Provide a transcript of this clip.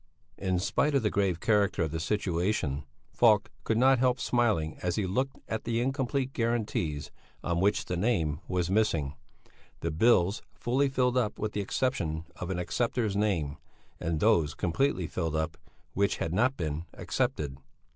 In spite of the grave character of the situation Falk could not help smiling as he looked at the incomplete guarantees on which the name was missing; the bills fully filled up with the exception of an acceptor's name, and those completely filled up, which had not been accepted.